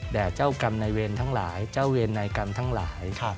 อย่าจะกรรนาเวรทั้งหลายเจ้าเวรในกรรณทั้งหลาย